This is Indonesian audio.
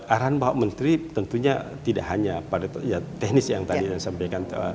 arahan bapak menteri tentunya tidak hanya pada teknis yang tadi saya sampaikan